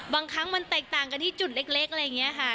บางครั้งมันแตกต่างกันที่จุดเล็กอะไรอย่างนี้ค่ะ